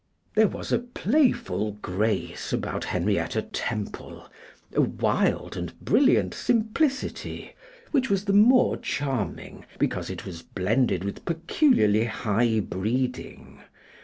There was a playful grace about Henrietta Temple, a wild and brilliant simplicity, which was the more charming because it was blended with peculiarly high breeding.